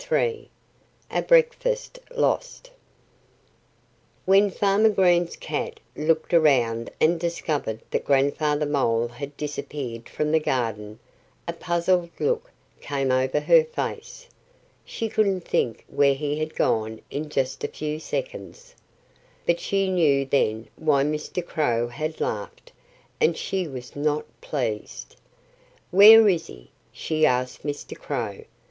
III A BREAKFAST LOST WHEN Farmer Green's cat looked around and discovered that Grandfather Mole had disappeared from the garden a puzzled look came over her face. She couldn't think where he had gone in just a few seconds. But she knew then why Mr. Crow had laughed. And she was not pleased. "Where is he?" she asked Mr. Crow.